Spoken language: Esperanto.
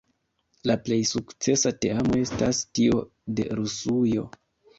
La plej sukcesa teamo estas tio de Rusujo.